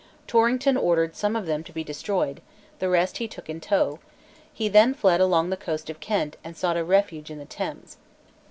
Torrington ordered some of them to be destroyed: the rest he took in tow: he then fled along the coast of Kent, and sought a refuge in the Thames.